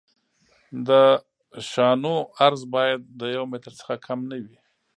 د شانو عرض باید د یو متر څخه کم نه وي